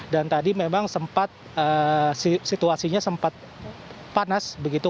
dan tadi memang sempat situasinya sempat panas begitu